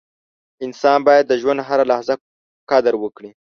• انسان باید د ژوند هره لحظه قدر وکړي.